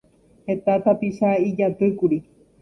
Heta tapicha ijatýkuri